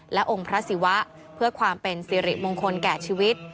และองค์พระศิวะเพื่อความเป็นสิริมงคลแก่ชีวิต